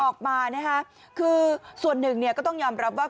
ออกมาคือส่วนหนึ่งก็ต้องยอมรับว่า